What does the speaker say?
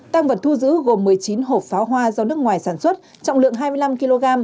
tăng vật thu giữ gồm một mươi chín hộp pháo hoa do nước ngoài sản xuất trọng lượng hai mươi năm kg